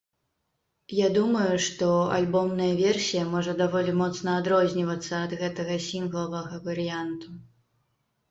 Я думаю, што альбомная версія можа даволі моцна адрознівацца ад гэтага сінглавага варыянту.